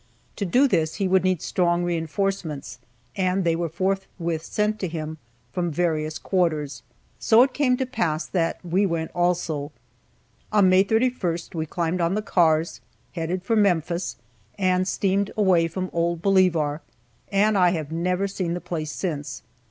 To do this he would need strong reinforcements, and they were forthwith sent him from various quarters. So it came to pass that we went also. On May 31st we climbed on the cars, headed for Memphis, and steamed away from old Bolivar and I have never seen the place since.